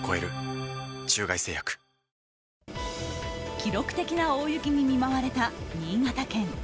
記録的な大雪に見舞われた新潟県。